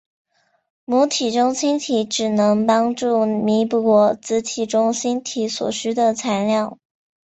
母体中心体只能帮助弥补子体中心体所需的材料。